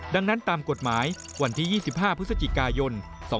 ดังนั้นตามกฎหมายวันที่๒๕พฤศจิกายน๒๕๖